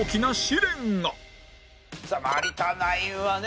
有田ナインはね